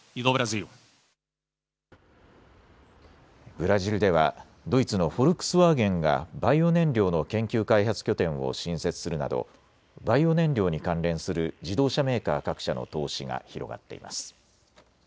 ブラジルではドイツのフォルクスワーゲンがバイオ燃料の研究開発拠点を新設するなどバイオ燃料に関連する自動車メーカー各社の投資が広がっています。